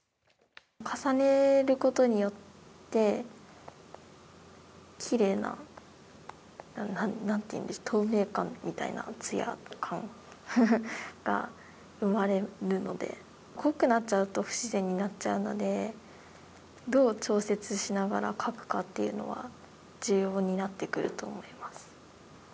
重ねることによって奇麗な透明感みたいなつや感が生まれるので濃くなっちゃうと不自然になっちゃうのでどう調節しながら描くかというのは重要になってくると思います。